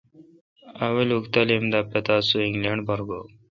اولوک تعلیم دا پتا سو انگینڈ پر گو۔